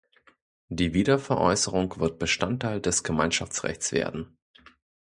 Die Wiederveräußerung wird Bestandteil des Gemeinschaftsrechts werden.